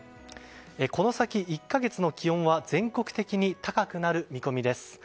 この先１か月の気温は全国的に高くなる見込みです。